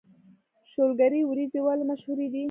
شولګرې وريجې ولې مشهورې دي؟